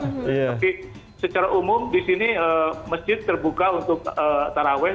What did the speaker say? tapi secara umum di sini masjid terbuka untuk taraweh